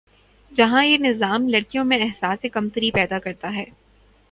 جہاں یہ نظام لڑکیوں میں احساسِ کمتری پیدا کرتا ہے